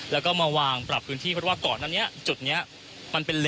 แล้วก็มาวางปรับพื้นที่เพราะว่าก่อนอันนี้จุดนี้มันเป็น